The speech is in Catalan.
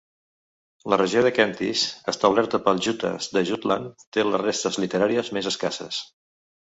La regió de Kentish, establerta pels Jutes de Jutland, té les restes literàries més escasses.